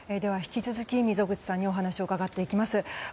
引き続き、溝口さんにお話を伺っていきます。